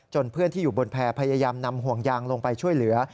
เพื่อนที่อยู่บนแพร่พยายามนำห่วงยางลงไปช่วยเหลือ